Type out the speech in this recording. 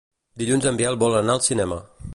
Dilluns en Biel vol anar al cinema.